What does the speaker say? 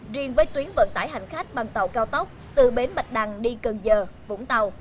riêng với tuyến vận tải hành khách bằng tàu cao tốc từ bến bạch đăng đi cần giờ vũng tàu